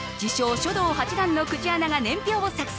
書道八段の久慈アナが年表を作成。